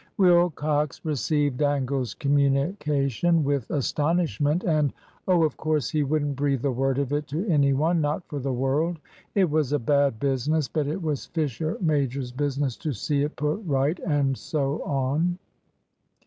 Wilcox received Dangle's communication with astonishment and oh, of course, he wouldn't breathe a word of it to any one, not for the world; it was a bad business, but it was Fisher major's business to see it put right, and so on.